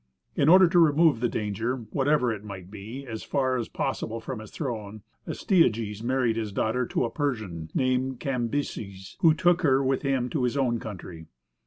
In order to remove the danger, whatever it might be, as far as possible from his throne, Astyages married his daughter to a Persian named Cambyses, who took her with him to his own country.